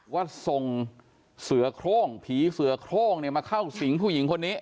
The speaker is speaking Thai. ว่าส่งเสือโครงผีเสือโครงมาเข้าสิงผู้หญิงคนนี้